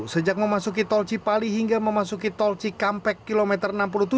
sejak memasuki tol cipali hingga memasuki tol cikampek kilometer enam puluh tujuh